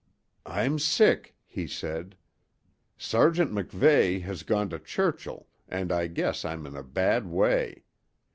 "I'm sick," he said. "Sergeant MacVeigh has gone to Churchill, and I guess I'm in a bad way.